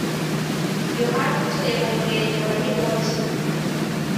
yohana utuye mu murenge wa niboye